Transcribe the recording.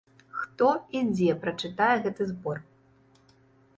Хто і дзе пачытае гэты збор?